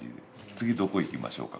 「次どこ行きましょうか」